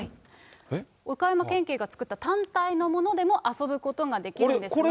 岡山県警が作った単体のものでも遊ぶことができるんですが。